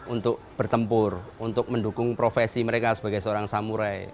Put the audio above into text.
untuk bertempur untuk mendukung profesi mereka sebagai seorang samurai